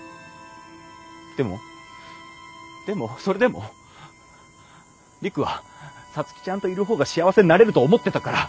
でもでもそれでも陸は皐月ちゃんといる方が幸せになれると思ってたから。